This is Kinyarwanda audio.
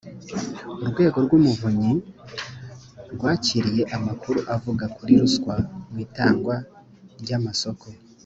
urwego rw’umuvunyi rwakiriye amakuru avuga kuri ruswa mu itangwa ry’amasoko